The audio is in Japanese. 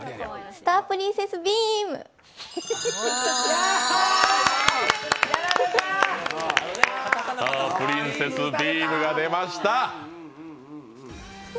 スタープリンセスビームが出ました。